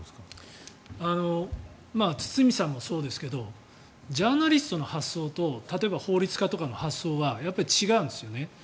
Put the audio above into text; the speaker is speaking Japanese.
堤さんもそうですがジャーナリストの発想と例えば、法律家とかの発想は違うんですよね。